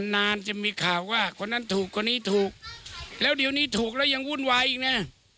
นานจะมีข่าวว่าคนนั้นถูกคนนี้ถูกแล้วเดี๋ยวนี้ถูกแล้วยังวุ่นวายอีกนะ